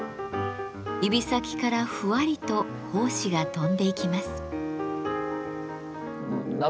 指先からふわりと胞子が飛んでいきます。